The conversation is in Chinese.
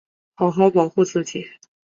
好好保护自己